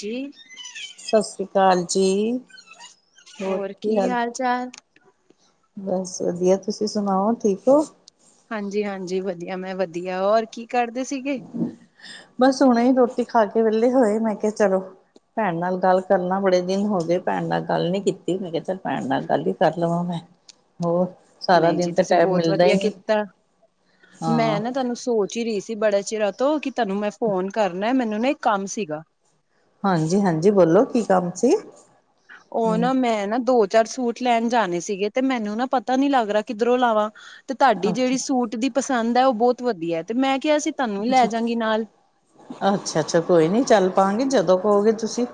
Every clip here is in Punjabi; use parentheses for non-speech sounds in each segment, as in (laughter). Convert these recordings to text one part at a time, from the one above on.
ਜੀ। ਸਤਿ ਸ੍ਰੀ ਅਕਾਲ ਜੀ। ਹੋਰ ਕੀ ਹਾਲ ਬਸ ਵਧੀਆ ਤੁਸੀ ਸੁਣਾਓ ਠੀਕ ਹੋ। ਹਾਂਜੀ- ਹਾਂਜੀ ਵਧੀਆ। ਮੈ ਵਧੀਆ ਹੋਰ ਕੀ ਕਰਦੇ ਸੀਗੇ। ਬਸ ਹੁਣੇ ਰੋਟੀ ਖਾ ਕੇ ਵਿਹਲੇ ਹੋਏ। ਮੈ ਕਿਹਾ ਚਲੋ। ਭੈਣ ਨਾਲ ਗੱਲ ਕਰਨਾ ਬੜੇ ਦਿਨ ਹੋ ਗਏ। ਭੈਣ ਨਾਲ ਗੱਲ ਨੀ ਕੀਤੀ ਮੈ ਕਿਹਾ ਚਲ ਭੈਣ ਨਾਲ ਗੱਲ ਹੀ ਕਰ ਲਵਾ ਮੈ। ਹੋਰ। ਨਹੀ ਜੀ ਤੁਸੀ ਬਹੁਤ ਮਿਲਦਾ ਹੀ ਵਧੀਆ ਨਹੀਂ, ਕੀਤਾ। ਮੈ ਹਾਂ। ਨਾ ਤੁਹਾਨੂੰ ਸੋਚ ਸੋਚ ਰੀ ਸੀ। ਬੜੇ ਚਿਰਾ ਤੋ ਕਿ ਤੁੈਨੂੰ ਮੈ ਫੋਨ ਕਰਨਾ ਮੈਨੂੰ ਨਾ ਇਕ ਕਮ ਸੀਗਾ। ਹਾਂਜੀ- ਹਾਂਜੀ ਬੋਲੋ ਕੀ ਕੰਮ ਸੀ। ਉਹ ਹਮ ਨਾ ਮੈਂ ਨਾ ਦੋ - ਚਾਰ ਸੂਟ। ਲੈਣ ਜਾਣੇ ਸੀਗੇ। ਤੇ ਮੈਨੂੰ ਨਾ ਪਤਾ ਨੀ ਲੱਗ ਰਿ ਕਿਧਰੋ ਲਾਵਾ। ਤੇ ਤੁਹਾਡੀ ਅੱਛਾ। ਜਿਹੜੀ ਸੂਟ ਦੀ ਪਸੰਦ ਹੈ। ਉਹ ਬਹੁਤ ਵਧੀਆ ਹੈ। ਤੇ ਮੈ ਕਿਹਾ ਸੀ ਤੁਹਾਨੂੰ ਵੀ ਲੈ ਜਾਗੀ ਨਾਲ ਅਛਾ- ਅਛਾ ਕੋਈ ਨਹੀ ਚੱਲ ਪਾਗੇ ਜਦੋ ਕਹੋਗੇ ਤੁਸੀ।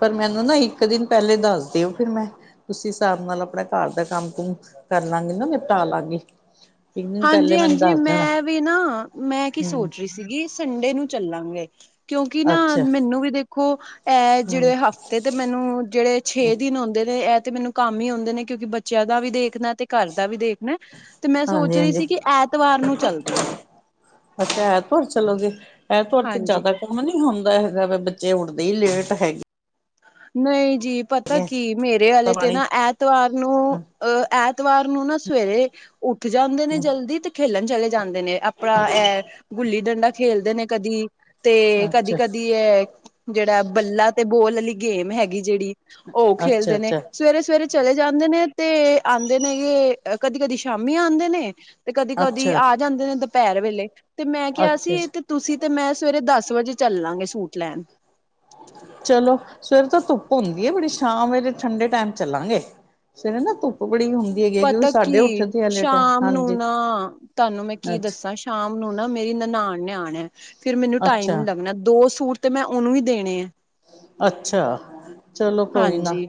ਪਰ ਮੈਨੂੰ ਨਾ ਇਕ ਦਿਨ ਪਹਿਲੇ ਦੱਸ ਦਿਓ। ਫਿਰ ਮੈ ਉਸੀ ਹਿਸਾਬ ਨਾਲ ਆਪਣੇ ਘਰ ਦਾ ਕਮ ਕੁਮ ਕਰ ਲਾਂਗੇ ਨਾ। ਨਿਪਟਾ ਲਾਗੇ। ਇਕ ਦਿਨ ਪਹਿਲੇ ਮੈਨੂੰ ਹਾਂਜੀ-ਹਾਂਜੀ ਦੱਸ ਦੇਣਾ। ਮੈਂ ਵੀ ਨਾ ਮੈਂ ਕੀ ਹੂੰ ਸੋਚ ਰਹੀ ਸੀਗੀ। ਸੰਡੇ ਨੂੰ ਚੱਲਾਂਗੇ। ਕਿਉਂਕਿ ਨਾ ਅੱਛਾ ਮੈਨੂੰ ਵੀ ਦੇਖੋ। ਇਹ ਹੂੰ ਜਿਹੜੇ ਹਫ਼ਤੇ ਤੇ ਮੈਨੂੰ ਜਿਹੜੇ ਛੇ ਦਿਨ ਆਉਂਦੇ ਨੇ ਇਹ ਤੇ ਮੈਨੂੰ ਕੰਮ ਹੀ ਆਉਂਦੇ ਨੇ। ਕਿਉਂਕਿ ਬੱਚਿਆਂ ਦਾ ਵੀ ਦੇਖਣਾ ਤੇ ਘਰ ਦਾ ਵੀ ਦੇਖਣਾ ਤੇ ਮੈਂ ਸੋਚ ਰਹੀ ਹਾਂਜੀ-ਹਾਂਜੀ। ਸੀ। ਕਿ ਐਤਵਾਰ ਨੂੰ ਚੱਲਦੇ ਆਂ। ਅੱਛਾ ਐਤਵਾਰ ਚਲੋ। ਜੇ ਐਤਵਾਰ ਤੇ ਹਾਂਜੀ। ਜ਼ਿਆਦਾ ਨੀ ਹੁੰਦਾ ਹੈਗਾ। ਵੀ ਬੱਚੇ ਉੱਡਦੇ ਹੀ ਲੇਟ ਹੈਗੇ। ਨਹੀਂ ਜੀ। ਪਤਾ ਕੀ ਮੇਰੇ ਵਾਲੇ ਤੇ ਪਾਣੀ ਨਾ ਐਤਵਾਰ ਨੂੰ ਅਹ। ਐਤਵਾਰ ਨੂੰ ਨਾ ਸਵੇਰੇ ਉਠ ਜਾਦੇ ਨੇ ਜਲਦੀ। ਤੇ ਖੇਲਣ ਚਲੇ ਜਾਦੇ ਨੇ ਆਪਣਾ ਇਹ ਗੁੱਲੀ ਡੰਡਾ ਖੇਲਦੇ ਨੇ। ਕਦੀ ਤੇ ਕਦੀ- ਕਦੀ ਇਹ ਜਿਹੜਾ ਬੱਲਾ ਤੇ ਬੋਲ ਵਾਲੀ ਗੇਮ ਹੈਗ। ਜਿਹੜੀ ਉਹ ਖੇਲਦੇ ਨੇ ਅੱਛਾ-ਅੱਛਾ-ਅੱਛਾ-ਅੱਛਾ-ਅੱਛਾ। ਸਵੇਰੇ- ਸਵੇਰੇ। ਚਲੇ ਜਾਂਦੇ ਨੇ। ਤੇ ਆਦੇਨੇ ਕਦੀ ਕਦੀ ਸ਼ਾਮੀ ਆਉਦੇ ਨੇ। ਤੇ ਕਦੀ ਕਦੀ ਆ ਜਾਂਦੇ ਨੇ। ਦੁਪਹਿਰ ਵੇਲੇ ਤੇ ਮੈ ਕਿਹਾ ਸੀ ਤੇ ਤੁਸੀ ਤੇ ਮੈਂ ਸਵੇਰੇ ਦਸ ਵਜੇ ਚਲ ਲਾਂਗੇ ਸੂਟ ਲੈਣ। ਚਲੋ। ਸਵੇਰ ਤੇ ਧੁੱਪ ਹੁੰਦੀ ਹੈ। ਬੜੀ ਸ਼ਾਮ ਵਰੇ ਠੰਡੇ ਟਾਈਮ ਚਲਾਂਗੇ। ਸਵੇਰੇ ਨਾ ਧੁੱਪ ਬੜੀ ਹੁੰਦੀ। ਪਤਾ ਸਾਡੇ ਕੀ ਉੱਠਦੇ ਆ ਲੇਟ ਸ਼ਾਮ ਹਾਂਜੀ। ਨੂੰ ਨਾ ਤੁਹਾਨੂੰ ਮੈ ਕੀ ਅੱਛਾ ਦਸਾ। ਸ਼ਾਮ ਨੂੰ ਨਾ ਮੇਰੀ ਨਨਾਨ ਨੇ ਆਣਿਆ। ਫੇਰ ਮੈਨੂੰ ਟਾਈਮ ਅੱਛਾ ਨੀ ਲੱਗਣਾ ਦੋ ਸੂਟ ਤੇ ਮੈ ਉਹਨੂੰ ਵੀ ਦੇਣੇ ਆ। ਅਛਾ ਚਲੋ ਕੋਈ ਨਾ- ਹਾਂਜੀ।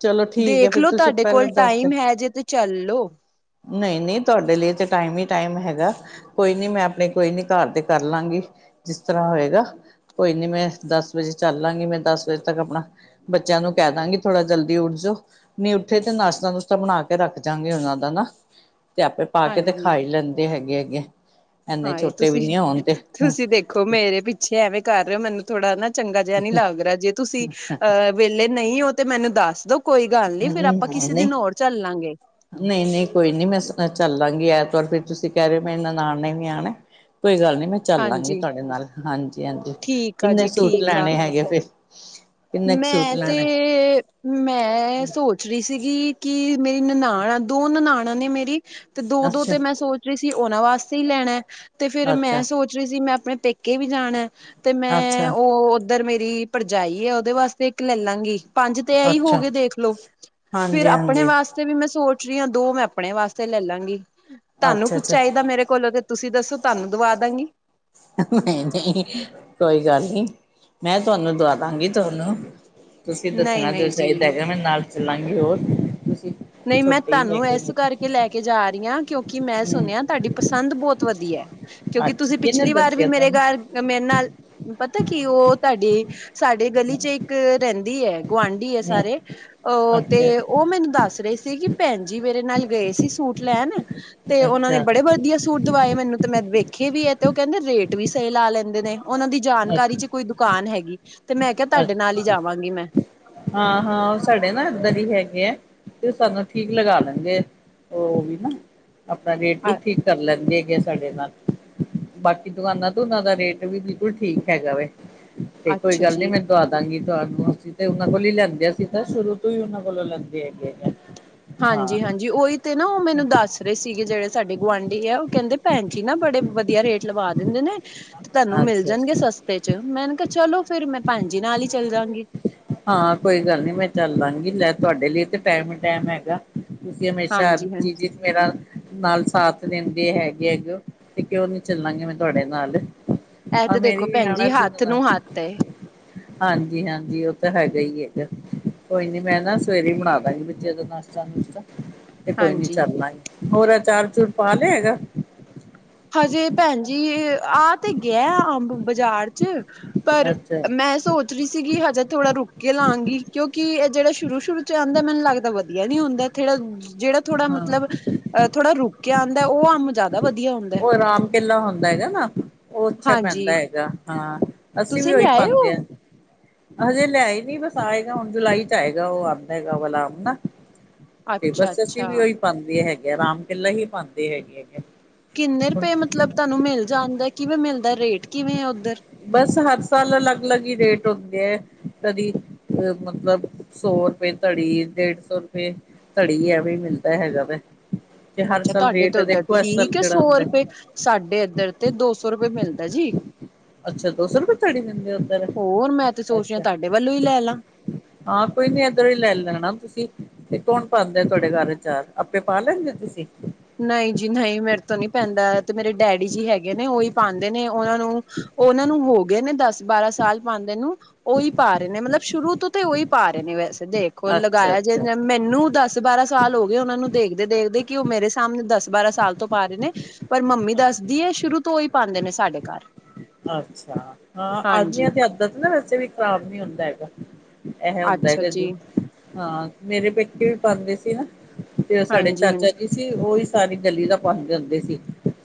ਚਲੋ ਠੀਕ ਹੈ। ਫਿਰ ਦੇਖਲੋ ਤੁਸੀ ਤੁਹਾਡੇ ਪਹਿਲਾਂ ਕੋਲ ਦੱਸਦੇ- ਟਾਈਮ ਹੈ ਜੇ ਤੇ ਚੱਲੋ ਨਹੀਂ ਨਹੀਂ ਤੁਹਾਡੇ ਲਈ ਤੇ ਟਾਈਮ ਹੀ ਟਾਈਮ ਹੈਗਾ। ਕੋਈ ਨੀ ਮੈਂ ਆਪਣੇ ਕੋਈ ਨੀ ਘਰ ਤੇ ਕਰ ਲਾਗੀ ਜਿਸ ਤਰ੍ਹਾਂ ਹੋਏਗਾ। ਕੋਈ ਨੀ ਮੈਂ ਦਸ ਵਜੇ ਚੱਲ ਲਾਂਗੀ ਮੈਂ ਦਸ ਵਜੇ ਤੱਕ ਆਪਣਾ ਬੱਚਿਆਂ ਨੂੰ ਕਹਿ ਦਾਂਗੀ ਥੋੜ੍ਹਾ ਜਲਦੀ। ਉਠਜੋ ਨਹੀਂ ਉੱਠੇ ਤੇ ਨਾਸ਼ਤਾ ਨੁਸ਼ਤਾ ਬਣਾ ਕੇ ਰੱਖ ਜਾਗੇ ਉਹਨਾਂ ਦਾ ਨਾ ਤੇ ਆਪੇ ਪਾ ਕੇ ਤੇ ਹਾਂਜੀ ਖਾ ਈ ਲੈਂਦੇ ਹੈਗੇ ਹੈਗੇ। ਇੰਨੇ ਹਾਂ ਇਹ ਛੋਟੇ ਤੁਸੀਂ ਵੀ ਨੀ ਹੋਣ ਤੇ ਤੁਸੀਂ ਦੇਖ ਮੇਰੇ ਪਿੱਛੇ ਐਵੇਂ ਕਰ ਰਹੇ ਹੋ ਮੈਨੂੰ ਥੋੜਾ ਨਾ ਚੰਗਾ ਜਿਹਾ ਨੀ ਲੱਗ ਰਿਹਾ ਜੇ ਤੁਸੀਂ ਅਹ ਵਿਹਲੇ ਨਹੀਂ ਉਹ ਤੇ ਮੈਨੂੰ ਦੱਸ ਦੋ ਕੋਈ ਗੱਲ ਨੀ ਫੇਰ ਆਪਾ ਨਹੀਂ ਕਿਸੇ ਨਹੀਂ। ਦਿਨ ਹੋਰ ਚੱਲਾਂਗੇ। ਨਹੀਂ ਨਹੀਂ ਕੋਈ ਨਹੀਂ ਮੈਂ ਚੱਲਾਂਗੀ ਐਤਵਾਰ ਫਿਰ ਤੁਸੀਂ ਕਹਿ ਰਹੇ ਹੋ ਮੈਂ ਇਹਨਾਂ ਨਨਾਣ ਨੇ ਵੀ ਆਉਣਾ। ਕੋਈ ਗੱਲ ਨੀ ਮੈਂ ਚੱਲਾਂਗੇ ਹਾਂਜੀ ਤੁਹਾਡੇ ਨਾਲ ਹਾਂਜੀ ਹਾਂਜੀ ਠੀਕ ਆ ਕਿੰਨੇ ਜੀ ਸੂਟ ਠੀਕ ਆ ਲੈਣੇ ਹੈਗੇ ਫਿਰ ਕਿੰਨੇ ਕੁ ਸੂਟ ਮੈਂ ਤੇ ਲੈਣੇ ਮੈਂ ਸੋਚ ਰਹੀ ਸੀਗੀ ਕਿ ਮੇਰੀ ਨਨਾਣ ਦੋ ਨਨਾਣਾਂ ਨੇ ਮੇਰੀ ਤੇ ਦੋ ਦੋ ਅੱਛਾ ਤੇ ਮੈਂ ਸੋਚ ਰਹੀ ਸੀ ਉਹਨਾਂ ਵਾਸਤੇ ਹੀ ਲੈਣਾ ਤੇ ਫਿਰ ਮੈਂ ਅੱਛਾ। ਸੋਚ ਸੀ ਮੈਂ ਆਪਣੇ ਪੇਕੇ ਵੀ ਜਾਣਾ ਤੇ ਮੈਂ ਅੱਛਾ ਉਹ ਉੱਧਰ ਮੇਰੀ ਭਰਜਾਈ ਹੈ ਉਹਦੇ ਵਾਸਤੇ ਇੱਕ ਲੈ ਲਾਂਗੀ ਪੰਜ ਤੇ ਐਹੀ ਹੋ ਅੱਛਾ ਗਏ ਦੇਖਲੋ ਫਿਰ ਹਾਂਜੀ ਆਪਣੇ ਹਾਂਜੀ। ਵਾਸਤੇ ਫ਼ਿਰ ਵੀ ਮੈਂ ਸੋਚ ਰਹੀ ਹਾਂ ਦੋ ਮੈਂ ਆਪਣੇ ਵਾਸਤੇ ਲੈ ਲਾਂਗੀ ਤੁਹਾਨੂੰ ਅੱਛਾ ਕੁੱਝ ਅੱਛਾ ਚਾਹੀਦਾ ਮੇਰੇ ਕੋਲੋਂ ਤੁਸੀਂ ਦੱਸੋ ਤੁਹਾਨੂੰ ਦਵਾ ਦਾਂਗੀ। ਨਹੀਂ ਨਹੀਂ ਕੋਈ ਗੱਲ ਨੀ। ਮੈਂ ਤੁਹਾਨੂੰ ਦਵਾਦਾਗੀ ਤੁਹਾਨੂੰ ਤੁਸੀਂ ਨਹੀਂ ਦੱਸਣਾ ਜੋ ਨਹੀਂ ਜੀ ਚਾਹੀਦਾ ਹੈਗਾ ਮੇਰੇ ਨਾਲ। ਚੱਲਾਂਗੇ ਹੋਰ, ਤੁਸੀਂ ਨਹੀਂ ਮੈਂ ਛੋਟੇ ਹੀ ਤੁਹਾਨੂੰ ਹੈਗੇ ਇਸ ਹੋ ਤਾਂ। ਕਰਕੇ ਇਹ ਲੈ ਕੇ ਜਾ ਰਹੀ ਹਾਂ ਕਿਉਂਕਿ ਮੈਂ ਹੂੰ ਸੁਣਿਆ ਤੁਹਾਡੀ ਪਸੰਦ ਬਹੁਤ ਵਧੀਆ ਹੈ। ਕਿਉਂਕਿ ਅੱਛਾ ਤੁਸੀਂ ਕਿਹਨੇ ਪਿਛਲੀ ਵਾਰ ਵੀ ਦੱਸਿਆ ਮੇਰੇ ਤੁਹਾਨੂੰ ਘਰ ਮੇਰੇ ਨਾਲ ਪਤਾ ਕੀ ਉਹ ਤੁਹਾਡੀ ਸਾਡੀ ਗਲ਼ੀ ਚ ਇੱਕ ਰਹਿੰਦੀ ਹੈ। ਗੁਆਂਢੀ ਹੈ ਨਹੀਂ ਸਾਰੇ ਉਹ ਅੱਛਾ ਤੇ ਉਹ ਮੈਨੂੰ ਦੱਸ ਰਹੇ ਸੀ ਕਿ ਭੈਣ ਜੀ ਮੇਰੇ ਨਾਲ ਗਏ ਸੀ ਸੂਟ ਲੈਣ ਤੇ ਉਹਨਾਂ ਨੇ ਅੱਛਾ ਬੜੇ ਵਧੀਆ ਸੂਟ ਦਵਾਏ ਮੈਨੂੰ ਤੇ ਮੈਂ ਵੇਖੇ ਵੀ ਹੈ ਤੇ ਉਹ ਕਹਿੰਦੇ ਰੇਟ ਵੀ ਸਹੀ ਲਾ ਲੈਂਦੇ ਨੇ ਉਹਨਾਂ ਦੀ ਜਾਣਕਾਰੀ ਚ ਕੋਈ ਦੁਕਾਨ ਹੈਗੀ ਤੇ ਮੈਂ ਕਿਹਾ ਅੱਛਾ ਤੁਹਾਡੇ ਨਾਲ ਹੀ ਜਾਵਾਂਗੀ ਮੈਂ। ਹਾਂ ਹਾਂ ਉਹ ਸਾਡੇ ਨਾ ਇੱਧਰ ਹੀ ਹੈਗੇ ਆ ਤੇ ਉਹ ਸਾਨੂੰ ਠੀਕ ਲਗਾ ਲੈਂਦੇ ਉਹ ਵੀ ਨਾ ਆਪਣਾ ਰੇਟ ਨੂੰ ਠੀਕ ਕਰ ਲੈਣਗੇ ਹੈਗੇ ਸਾਡੇ ਨਾਲ ਬਾਕੀ ਦੁਕਾਨਾਂ ਤੋਂ ਉਹਨਾਂ ਦਾ ਰੇਟ ਵੀ ਬਿਲਕੁਲ ਠੀਕ ਹੈਗਾ ਵੇ ਤੇ ਕੋਈ ਅੱਛਾ ਗੱਲ ਨੀ ਜੀ ਮੈਂ ਦਵਾ ਦਾਂਗੀ ਤੁਹਾਨੂੰ ਤੇ ਉਹਨਾਂ ਕੋਲ ਹੀ ਲੈਂਦੇ ਸੀ ਤਾਂ ਸ਼ੁਰੂ ਤੋਂ ਹੀ ਉਹਨਾਂ ਕੋਲੋਂ ਲੈਂਦੇ ਹੈਗੇ ਹੈ। ਹਾਂਜੀ ਹਾਂਜੀ ਉਹੀ ਤੇ ਨਾ ਉਹ ਮੈਨੂੰ ਦੱਸ ਰਹੇ ਸੀਗੇ ਜਿਹੜੇ ਸਾਡੇ ਗੁਆਂਢੀ ਆ ਉਹ ਕਹਿੰਦੇ ਭੈਣ ਜੀ ਨਾ ਬੜੇ ਵਧੀਆ ਰੇਟ ਦਵਾ ਦਿੰਦੇ ਨੇ ਤੇ ਤੁਹਾਨੂੰ ਮਿਲ ਅੱਛਾ ਜਾਣਗੇ ਅੱਛਾ ਸਸਤੇ ਚ ਮੈਂ ਕਿਹਾ ਚੱਲੋ ਫਿਰ ਮੈਂ ਭੈਣਜੀ ਨਾਲ ਹੀ ਚੱਲ ਜਾਂਗੀ। ਹਾਂ ਕੋਈ ਗੱਲ ਨੀ ਮੈਂ ਚੱਲ ਲਾਂਗੀ ਲੈ ਤੁਹਾਡੇ ਲਈ ਤੇ ਟਾਈਮ ਹੀ ਟਾਈਮ ਹੈਗਾ। ਤੁਸੀਂ ਹਮੇਸ਼ਾ ਹਰ ਹਾਂਜੀ-ਹਾਂਜੀ ਚੀਜ਼ ਮੇਰਾ ਨਾਲ ਸਾਥ ਦਿੰਦੇ ਹੈਗੇ। ਤੇ ਕਿਉਂ ਨਹੀਂ ਚੱਲਾਂਗੀ ਮੈਂ ਤੁਹਾਡੇ ਨਾਲ। ਇਹ ਆ ਤੇ ਮੇਰੀ ਦੇਖੋ ਵੀ ਭੈਣ ਆਉਣਾ ਜੀ ਸੀ ਹੱਥ ਨਨਾਣ ਨੂੰ ਨੇ ਹੱਥ ਏ ਹਾਂਜੀ ਹਾਂਜੀ। ਤਾਂ ਹੈਗਾ ਹੀ ਹੈਗਾ ਕੋਈ ਨੀ ਮੈਂ ਨਾ ਸਵੇਰੇ ਬਣਾ ਦਾਂਗੀ ਬੱਚੇ ਦਾ ਨਾਸ਼ਤਾ ਨੁਸ਼ਤਾ। ਤੇ ਕੋਈ ਨੀ ਹਾਂਜੀ ਚੱਲ ਲਾ ਗੇ ਹੋਰ ਅਚਾਰ ਅਚੂਰ ਪਾ ਲਿਆ ਹੈਗਾ। ਹਜੇ ਭੈਣ ਜੀ ਆਹ ਤੇ ਗਿਆ ਅੰਬ ਬਾਜ਼ਾਰ ਪਰ ਅੱਛਾ ਮੈਂ ਸੋਚ ਰਹੀ ਹੀ ਸੀਗੀ ਹਜੇ ਥੋੜ੍ਹਾ ਰੁਕ ਕੇ ਲਵਾਂਗੀ ਕਿਉਂਕਿ ਇਹ ਜਿਹੜਾ ਸ਼ੁਰੂ ਸ਼ੁਰੂ ਚ ਆਉਂਦਾ ਮੈਨੂੰ ਲੱਗਦਾ ਵਧੀਆ ਨਹੀਂ ਹੁੰਦਾ। ਥੋੜਾ ਜਿਹੜਾ ਥੋੜਾ ਹਾਂ ਮਤਲਬ ਥੋੜਾ ਰੁਕ ਕੇ ਆਉਂਦਾ ਉਹ ਅੰਬ ਜਿਆਦਾ ਵਧੀਆ ਹੁੰਦਾ। ਉਹ ਰਾਮ ਕੇਲਾ ਹੁੰਦਾ ਹੈਗਾ ਨਾ ਉਹ ਅੱਛਾ ਪੈਂਦਾ ਹਾਂਜੀ, ਹੈਗਾ ਹਾਂ। ਅਸੀਂ ਵੀ ਤੁਸੀਂ ਉਹੀ ਲਿਆਏ ਪਾਉਂਦੇ ਹੋ? ਹਾਂ। ਹਜੇ ਲਿਆਏ ਨੀ ਬਸ ਆਏਗਾ ਹੁਣ ਜੁਲਾਈ ਚ ਆਏਗਾ ਉਹ ਆਉਂਦਾ ਹੈਗਾ ਅੰਬ ਨਾ। ਤੇ ਬਸ ਅਸੀਂ ਅੱਛਾ-ਅੱਛਾ, ਵੀ ਉਹੀ ਪਾਉਂਦੇ ਹੈਗੇ ਆ ਰਾਮ ਕੇਲਾ ਹੀ ਪਾਉਂਦੇ ਹੈਗੇ ਹੈਗੇ। ਕਿੰਨੇ ਹੁਣ ਰੁਪਏ ਮਤਲਬ ਤੁਹਾਨੂੰ ਮਿਲ ਜਾਣਦਾ ਕਿਵੇਂ ਮਿਲਦਾ ਰੇਟ ਕਿਵੇਂ ਹੈ ਉੱਧਰ। ਬਸ ਹਰ ਸਾਲ ਅਲੱਗ ਅਲੱਗ ਹੀ ਰੇਟ ਹੁੰਦੇ ਹੈ ਕਦੀ ਮਤਲਬ ਸੌ ਰੁਪਏ ਧੜੀ ਡੇਢ ਸੌ ਰੁਪਏ ਧੜੀ ਐਵੇ ਮਿਲਦਾ ਹੈਗਾ ਵੈ। ਅੱਛਾ ਤੁਹਾਡੇ ਤੇ ਉੱਧਰ ਠੀਕ ਹੈ ਸੌ ਰੁਪਏ ਸਾਡੇ ਇੱਧਰ ਤੇ ਦੋ ਸੌ ਰੁਪਏ ਮਿਲਦਾ ਜੀ। ਅੱਛਾ ਦੋ ਸੌ ਰੁਪਏ ਧੜੀ ਦਿੰਦੇ ਉੱਧਰ ਹੋਰ ਮੈਂ ਤੇ ਸੋਚ ਰਿਹਾ ਅੱਛਾ ਤੁਹਾਡੇ ਵੱਲੋਂ ਹੀ ਲੈ ਲਾ। ਹਾਂ ਕੋਈ ਨੀ ਇੱਧਰ ਹੀ ਲੈ ਲੈਣਾ ਤੁਸੀਂ। ਤੇ ਕੌਣ ਪਾਉਂਦੇ ਆ ਤੁਹਾਡੇ ਘਰ ਚਾਰ ਆਪੇ ਪਾ ਲੈਂਦੇ ਤੁਸੀਂ। ਨਹੀਂ ਜੀ ਨਹੀਂ ਮੇਰੇ ਤੋਂ ਨਹੀਂ ਪੈਂਦਾ ਤੇ ਮੇਰੇ ਡੈਡੀ ਜੀ ਹੈਗੇ ਨੇ ਉਹੀ ਪਾਉਂਦੇ ਨੇ ਉਹਨਾਂ ਨੂੰ ਹੋ ਗਏ ਨੇ ਦਸ ਬਾਰਾਂ ਸਾਲ ਪਾਉਂਦੇ ਨੂੰ। ਉਹੀ ਪਾ ਰਹੇ ਨੇ ਮਤਲਬ ਸ਼ੁਰੂ ਤੋਂ ਤੇ ਉਹੀ ਪਾ ਰਹੇ ਨੇ ਵੈਸੇ ਦੇਖੋ ਅੱਛਾ ਲਗਾਇਆ ਜੇ ਅੱਛਾ ਮੈਨੂੰ ਦੱਸ ਬਾਰਾ ਸਾਲ ਹੋ ਗਏ ਉਹਨਾਂ ਨੂੰ ਦੇਖਦੇ ਦੇਖਦੇ ਕਿ ਉਹ ਮੇਰੇ ਸਾਹਮਣੇ ਦੱਸ ਬਾਰਾਂ ਸਾਲ ਤੋਂ ਪਾ ਰਹੇ ਨੇ ਪਰ ਮੰਮੀ ਅੱਛਾ ਦੱਸਦੀ ਹੈ ਸ਼ੁਰੂ ਤੋਂ ਹੀ ਪਾਉਂਦੇ ਨੇ ਸਾਡੇ ਘਰ ਅੱਛਾ ਹਾਂ ਆਦਮੀਆਂ ਹਾਂਜੀ ਦੀ ਹੱਥ ਦਾ ਨਾ ਵੈਸੇ ਵੀ ਖ਼ਰਾਬ ਨੀ ਹੁੰਦਾ ਹੈਗਾ। ਇਹ ਹੁੰਦਾ ਹੈਗਾ ਜੀ ਹਾਂ ਮੇਰੇ ਪੇਕੇ ਵੀ ਪਾਉਂਦੇ ਸੀ ਨਾ। ਤੇ ਸਾਡੇ ਹਾਂਜੀ ਚਾਚਾ ਹਾਂਜੀ ਜੀ ਸੀ ਉਹੀ ਸਾਰੀ ਗਲੀ ਦਾ ਪਾਂਦੇ ਹੁੰਦੇ ਸੀ।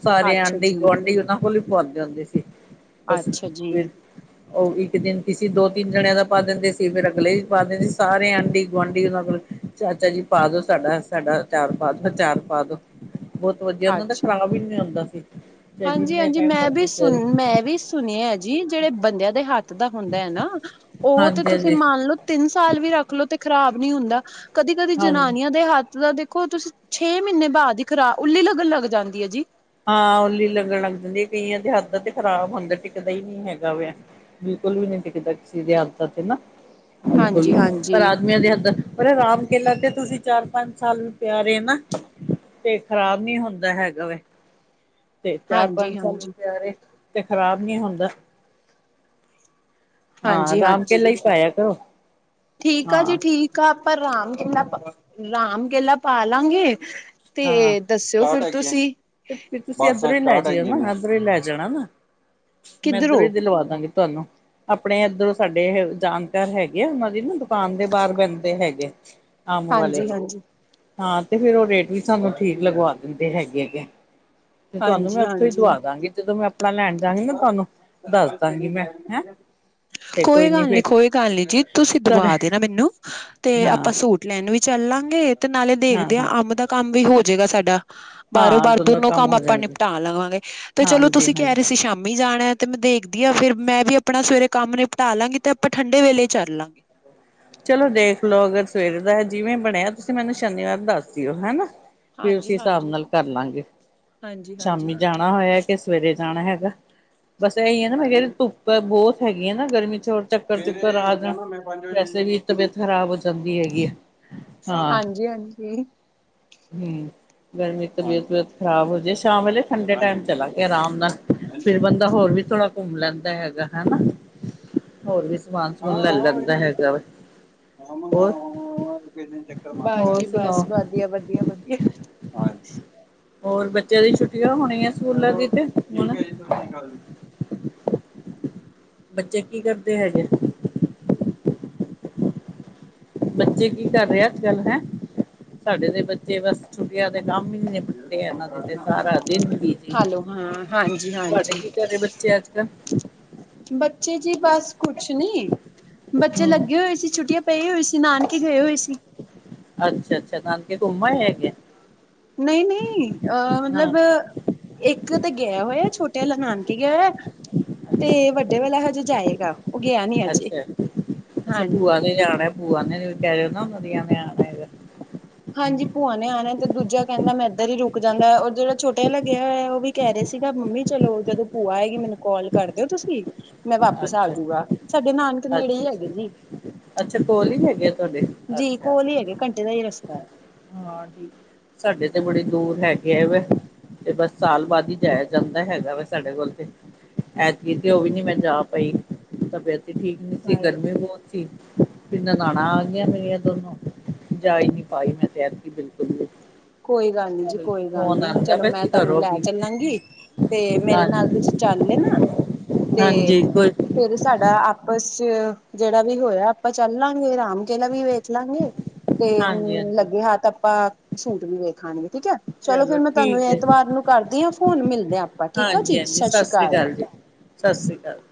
ਸਾਰੇ ਅੱਛਾ ਆਂਢੀ ਜੀ ਗੁਆਂਢੀ ਉਹਨਾਂ ਕੋਲ ਹੀ ਪਾਉਂਦੇ ਹੁੰਦੇ ਸੀ ਬਸ ਅੱਛਾ ਜੀ ਫਿਰ। ਉਹ ਇੱਕ ਦਿਨ ਕਿਸੇ ਦੋ ਤਿੰਨ ਜਣਿਆਂ ਦਾ ਪਾ ਦਿੰਦੇ ਸੀ ਫਿਰ ਅਗਲੇ ਵੀ ਪਾ ਦਿੰਦੇ ਸੀ ਸਾਰੇ ਆਂਢੀ ਗੁਆਂਢੀ ਉਹਨਾਂ ਕੋਲ ਚਾਚਾ ਜੀ ਪਾਦੋ ਸਾਡਾ ਸਾਡਾ ਚਾਰ ਪਾ ਦੋ ਚਾਰ ਪਾ ਦੋ। ਬਹੁਤ ਵਧੀਆ ਓਹਨਾ ਦਾ ਖ਼ਰਾਬ ਹੀ ਨੀ ਹੁੰਦਾ ਸੀ। ਚਾਹੇ ਹਾਂਜੀ ਜਿੰਨੇ ਹਾਂਜੀ ਟਾਈਮ ਮੈਂ ਵੀ ਮਰਜ਼ੀ ਸੁਣ ਸਵੇਰੇ ਮੈਂ ਵੀ ਸੁਣਿਆ ਜੀ ਜਿਹੜੇ ਬੰਦਿਆਂ ਦੇ ਹੱਥ ਦਾ ਹੁੰਦਾ ਹੈ ਨਾ ਉਹ ਤੇ ਹਾਂਜੀ ਤੁਸੀਂ ਹਾਂਜੀ ਮੰਨ ਲੋੋ ਤਿੰਨ ਸਾਲ ਵੀ ਰੱਖਲੋ ਤੇ ਖ਼ਰਾਬ ਨੀ ਹੁੰਦਾ। ਕਦੀ ਕਦੀ ਹਾਂਜੀ ਜਨਾਨੀਆਂ ਦੇ ਹੱਥ ਦਾ ਦੇਖੋ ਤੁਸੀਂ ਛੇ ਮਹੀਨੇ ਬਾਅਦ ਹੀ ਖਰਾਬ ਉੱਲੀ ਲੱਗਣ ਲੱਗ ਜਾਂਦੀ ਹੈ ਜੀ। ਹਾਂ ਉੱਲੀ ਲੰਗਣ ਲੱਗ ਜਾਂਦੀ ਹੈ ਕਈਆਂ ਦੇ ਹੱਥ ਤੇ ਖਰਾਬ ਹੁੰਦਾ। ਦਾ ਹੀ ਨਹੀਂ ਹੈਗਾ ਵ ਬਿਲਕੁਲ ਵੀ ਨੀ ਟਿਕਦਾ ਕਿਸੇ ਦੇ ਹੱਥ ਤੇ ਨਾ। ਬਿਲਕੁਲ ਪਰ ਹਾਂਜੀ-ਹਾਂਜੀ ਆਦਮੀਆਂ ਦੇ ਹੱਥ ਦਾ ਪਰ ਰਾਮ ਕੇਲਾ ਤੇ ਤੁਸੀਂ ਚਾਰ ਪੰਜ ਸਾਲ ਵੀ ਪਿਆ ਰਹੇ ਨਾ ਤੇ ਖ਼ਰਾਬ ਨੀ ਹੁੰਦਾ ਹੈਗਾ ਵੈ। ਤੇ ਚਾਰ ਪੰਜ ਸਾਲ ਹਾਂਜੀ-ਹਾਂਜੀ ਪਿਆ ਰਹੇ ਤੇ ਖ਼ਰਾਬ ਨੀ ਹੁੰਦਾ। ਹਾਂਜੀ ਹਾਂ ਰਾਮ ਕੇਲਾ ਹੀ ਪਾਇਆ ਕਰੋ ਠੀਕ ਆ ਜੀ ਹਾਂ ਠੀਕ। ਇੱਕ ਆਪਾਂ ਰਾਮ ਕਿਲਾ ਰਾਮ ਕੇਲਾ ਪਾ ਲਾਂਗੇ। ਹਾਂ ਤੇ ਦੱਸਿਓ ਫਿਰ ਤੁਸੀਂ। ਤੇ ਫਿਰ ਤੁਸੀਂ ਇੱਧਰੋਂ ਹੀ ਲੈ ਜਾਉ ਨਾ ਇੱਧਰ ਹੀ ਲੈ ਜਾਣਾ ਨਾ ਮੈਂ ਇੱਧਰ ਹੀ ਕਿੱਧਰੋਂ ਦਿਲਵਾ ਦਾਂਗੀ ਤੁਹਾਨੂੰ। ਆਪਣੇ ਇੱਧਰੋਂ ਸਾਡੇ ਜਾਣਕਾਰ ਹੈਗੇ ਆ ਉਹਨਾਂ ਦੀ ਨਾ ਦੁਕਾਨ ਦੇ ਬਾਹਰ ਬਹਿੰਦੇ ਹੈਗੇ ਨੇ। ਅੰਬ ਵਾਲੇ ਹਾਂਜੀ-ਹਾਂਜੀ ਹਾਂ ਤੇ ਫਿਰ ਉਹ ਰੇਟ ਵੀ ਸਾਨੂੰ ਠੀਕ ਲਗਵਾ ਦਿੰਦੇ ਹੈਗੇ। ਤੇ ਤੁਹਾਨੂੰ ਮੈਂ ਉੱਥੋਂ ਹੀ ਹਾਂਜੀ-ਹਾਂਜੀ ਦਵਾ ਦਾਂਗੀ ਜਦੋਂ ਮੈਂ ਆਪਣਾ ਲੈਣ ਜਾਵਾਂਗੀ ਨਾ ਤੁਹਾਨੂੰ ਦੱਸ ਦਾਂਗੀ ਮੈਂ ਹੈਂ (inaudible) ਕੋਈ ਗੱਲ ਨੀ ਕੋਈ ਗੱਲ ਨੀ ਜੀ ਤੁੂੰਸੀਂ ਤੁਹਾਡੇ ਦਵਾ ਦੇ ਨਾ ਮੈਨੂੰ ਤੇ ਹਾਂ ਆਪਾਂ ਸੂਟ ਲੈਣ ਵੀ ਚੱਲ ਲਾਂਗੇ ਤੇ ਨਾਲੇ ਹਾਂ ਦੇਖਦੇ ਆ ਹਾਂ ਅੰਬ ਦਾ ਕੰਮ ਵੀ ਹੋ ਜਾਏਗਾ ਸਾਡਾ। ਬਾਹਰੋਂ ਹਾਂ ਬਾਰ ਦੋਨੋਂ ਦੋਨੋ ਕੰਮ ਹੋ ਆਪਾਂ ਜਾਣਗੇ ਨਿਪਟਾ ਲਵਾਂਗੇ ਤੇ ਚਲੋ ਹਾਂਜੀ ਤੁਸੀਂ ਕਹਿ ਹਾਂਜੀ ਰਹੇ ਸੀ ਸ਼ਾਮੀ ਜਾਣਾ ਐ। ਤੇ ਮੈਂ ਦੇਖਦੀ ਹਾਂ ਫਿਰ ਮੈਂ ਵੀ ਆਪਣਾ ਸਵੇਰੇ ਕੰਮ ਨਿਪਟਾ ਲਾਂਗੀ ਤੇ ਆਪਾਂ ਠੰਡੇ ਵੇਲੇ ਚੱਲਾਗੇ। ਚਲੋ ਦੇਖ ਲਓ ਅਗਰ ਸਵੇਰੇ ਦਾ ਜਿਵੇਂ ਬਣਿਆ ਤੁਸੀਂ ਮੈਨੂੰ ਸ਼ਨੀਵਾਰ ਦੱਸ ਦਿਓ ਹਨਾ। ਫਿਰ ਉਸੇ ਹਾਂਜੀ ਹਿਸਾਬ ਹਾਂਜੀ ਨਾਲ ਕਰ ਲਾਂਗੇ ਹਾਂਜੀ ਹਾਂਜੀ ਸ਼ਾਮੀ ਜਾਣਾ ਹੋਇਆ ਕਿ ਸਵੇਰੇ ਜਾਣਾ ਹੈਗਾ ਬਸ ਇਹੀ ਹੈ ਨਾ ਮੈਂ ਕਿਹਾ ਧੁੱਪ ਬੋਤ ਹੈਗੀਆਂ ਨਾ ਗਰਮੀ ਚ ਹੋਰ ਚੱਕਰ-ਚੁੱਕਰ ਆ ਜਾਣ ਪੰਜ ਵਜੇ ਈ ਇਹਦੀ ਤਬੀਅਤ ਖਰਾਬ ਹੋ ਜਾਂਦੀ ਹੈਗੀ ਐ। ਹਾਂ ਹਾਂਜੀ ਹਾਂਜੀ ਹੂੰ ਗਰਮੀ ਚ ਤਬੀਅਤ ਖਰਾਬ ਹੋਜੇ ਸ਼ਾਮ ਵੇਲੇ ਠੰਡੇ ਟੈਮ ਚਲਾਗੇ ਆਰਾਮ ਨਾਲ ਫਿਰ ਬੰਦਾ ਹੋਰ ਵੀ ਥੋੜਾ। ਘੁੰਮ ਲੈਂਦਾ ਹੈਗਾ ਹਨਾ ਹੋਰ ਵੀ ਸਮਾਨ-ਸਮੂਨ ਲੈ ਲੈਂਦਾ ਹੈਗਾ ਵੈ। (unintelligible) ਬਸ ਹੋਰ ਜੀ ਬਸ ਸੁਣਾਓ। ਵਧੀਆ-ਵਧੀਆ-ਵਧੀਆ। ਹੋਰ ਬੱਚਿਆਂ ਦੀਆਂ ਛੁੱਟੀਆਂ ਹੋ ਰਿਆਂ ਹੈ। ਸਕੂਲਾਂ ਵਿੱਚ ਹੁਣ ਬੱਚੇ ਕੀ ਕਰਦੇ ਹੈਗੇੇ? ਬੱਚੇ ਕੀ ਕਰ ਰਹੇ ਅੱਜ-ਕੱਲ੍ਹ ਹੈਂ। ਸਾਡੇ ਤੇ ਬੱਚੇ ਬਸ ਛੁੱਟੀਆਂ ਦੇ ਕੰਮ ਹੀ ਇੰਨੇ ਦਿੱਤੇ ਇਹਨਾਂ ਦੇ ਤੇ ਸਾਰਾ ਦਿਨ ਬੀਜੀ ਹੈਲੋ ਹਾਂ ਹਾਂਜੀ ਤੁਹਾਡੇ ਹਾਂਜੀ ਕੀ ਘੱਰੇ ਬੱਚੇ ਅੱਜ-ਕੱਲ੍ਹ। ਬੱਚੇ ਜੀ ਬਸ ਕੁੱਛ ਨੀ ਬੱਚੇ ਹੂੰ, ਲੱਗੇ ਹੋਏ ਸੀ ਛੁੱਟੀਆਂ ਪਏ ਹੋਏ ਸੀ ਨਾਨਕੇ ਗਏ ਹੋਏ ਸੀ। ਅੱਛਾ-ਅੱਛਾ ਨਾਨਕੇ ਘੁੰਮ ਆਏ ਹੈਗੇ। ਨਹੀਂ-ਨਹੀਂ ਅ ਹਾਂ, ਮਤਲਬ ਇੱਕ ਤੇ ਗਿਆ ਹੋਇਆ ਛੋਟੇ ਵਾਲਾ ਨਾਨਕੇ ਗਿਆ ਹੋਇਆ ਤੇ ਵੱਡੇ ਵਾਲਾ ਹਜੇ ਜਾਏਗਾ। ਉਹ ਗਿਆ ਨੀ ਅਜੇ ਅੱਛਾ-ਅੱਛਾ ਹਾਂਜੀ ਭੂਆ ਨੇ ਆਣਾ ਭੂਆ ਨੇ ਕਿਹਾ ਰਹੇ ਹੋ ਨਾ ਰਨਾ ਕੁੜੀਆਂ ਨੇ ਆਣਾ। (unintelligible) ਹਾਂਜੀ ਭੂਆ ਨੇ ਆਣਾ ਤੇ ਦੂਜਾ ਕਹਿੰਦਾ ਮੈਂ ਇਧਰ ਹੀ ਰੁਕ ਜਾਣਾ ਔਰ ਜਿਹੜਾ ਛੋਟੇ ਵਾਲਾ ਗਿਆ ਹੋਇਆ ਉਹ ਵੀ ਕਹਿ ਰਹੇ ਸੀਗਾ ਮੰਮੀ ਚਲੋ ਉਂਦਰ ਭੂਆ ਆਏਗੀ ਮੈਨੂੰ ਕਾੱਲ ਕਰ ਦਿਓ ਤੁਸੀਂ। ਮੈਂ ਵਾਪਿਸ ਅੱਛਾ, ਆਜੂਂਗਾ ਸਾਡੇ ਨਾਨਕੇ ਨੇੜੇ ਹੀ ਹੈਗੇ ਅੱਛਾ-ਅੱਛਾ। ਅੱਛਾ ਨੇ। ਅੱਛਾ, ਕੋਲ ਹੀ ਹੈਗੇ ਆ ਤੁਹਾਡੇ ਜੀ ਅੱਛਾ, ਕੋਲ ਹੀ ਹੈਗੇ ਘੰਟੇ ਦਾ ਹੀ ਰਸਤਾ। ਹਾਂ ਠੀਕ ਸਾਡੇ ਤੇ ਬੜੇ ਦੂਰ ਹੈ। ਗਿਆ ਵਾ ਤੇ ਬਸ ਸਾਲ ਬਾਅਦ ਹੀ ਜਾਇਆ ਜਾਂਦਾ ਹੈਗਾ ਵਾ ਸਾਡੇ ਕੋਲ ਤੇ ਐਤਕੀ ਤੇ ਉਹ ਵੀ ਨੀ ਮੈਂ ਜਾ ਪਾਈ ਤਬੀਅਤ ਹੀ ਠੀਕ ਨੀ ਸੀ। ਹੈ। ਗਰਮੀ ਬਹੁਤ ਸੀ। ਫੇਰ ਨਨਾਣਾਂ ਆ ਗਈਆਂ ਮੇਰੀਆਂ ਦੋਨੋਂ ਜਾ ਹੀ ਨੀ ਪਾਈ ਮੈਂ ਤੇ ਐਤਕੀ ਬਿਲਕੁੱਲ ਵੀ। ਕੋਈ ਗੱਲ ਨੀ ਬਲਕਿ ਜੀ-ਕੋਈ ਗੱਲ ਫੋਨ ਨੀ ਆਉਂਦਾ ਚਲੋ ਪਿਆ ਮੈਂ ਸੀ ਤੁਹਾਨੂੰ ਘਰੋਂ ਲੈ ਵੀ ਚੱਲਾਂਗੀ। ਤੇ ਮੇਰੇ ਨਾਲ ਹਾਂਜੀ ਤੁਸੀਂ ਚੱਲ ਲੈਣਾ। ਤੇ ਹਾਂਜੀ ਕੋਈ ਫੇਰ ਸਾਡਾ ਆਪਸ ਚ ਜਿਹੜਾ ਵੀ ਹੋਇਆ ਆਪਾਂ ਚੱਲਾਂਗੇ ਰਾਮ ਕਿਲਾ ਵੀ ਵੇਖ ਦੇਖ ਲਾਂਗੇ ਤੇ ਹਾਂਜੀ ਹਮ ਹਾਂਜੀ ਲੱਗੇ ਹੱਥ ਤਾਂ ਆਪਾਂ ਸੂਟ ਵੀ ਵੇਖਾਂਗੇ ਠੀਕ ਹੈ। ਚਲੋ ਫੇਰ ਮੈਂ ਤੁਹਾਨੂੰ ਠੀਕ ਹੈ ਐਤਵਾਰ ਨੂੰ ਕਰਦੀ ਹਾਂ ਫੋਨ ਮਿਲਦੇ ਹਾਂ ਆਪਾਂ ਠੀਕ ਆ ਹਾਂਜੀ ਜੀ ਹਾਂਜੀ ਸਤਿ ਸ਼੍ਰੀ ਸ੍ਰੀ ਅਕਾਲ। ਜੀ ਸਤਿ ਸ਼੍ਰੀ ਅਕਾਲ।